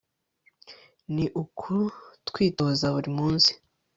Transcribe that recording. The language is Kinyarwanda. ni ukurwitoza buri munsi